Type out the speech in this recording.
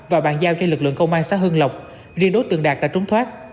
và bàn giao cho lực lượng công an xã hưng lộc riêng đối tượng đạt đã trốn thoát